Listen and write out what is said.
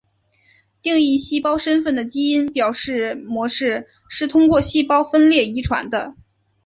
定义细胞身份的基因表达模式是通过细胞分裂遗传的。